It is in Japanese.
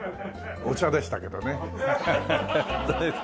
お茶でしたけどね。